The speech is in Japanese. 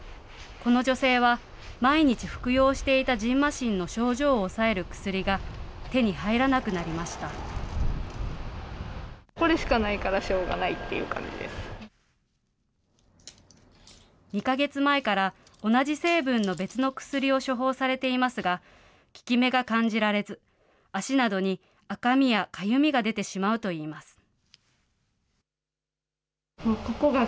この女性は、毎日服用していたじんましんの症状を抑える薬が手に入らなくなり２か月前から、同じ成分の別の薬を処方されていますが、効き目が感じられず、足などに赤みやかゆみが出てしまうといいます。